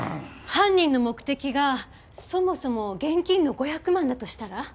犯人の目的がそもそも現金の５００万だとしたら？